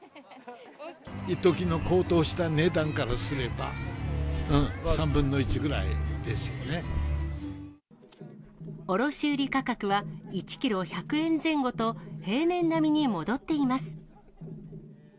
いっときの高騰した値段からすれば、卸売り価格は１キロ１００円前後と、平年並みに戻っています。